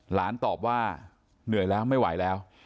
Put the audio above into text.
ตอบว่าเหนื่อยแล้วไม่ไหวแล้ว